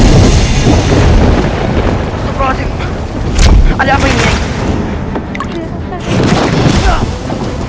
tentangku apa ini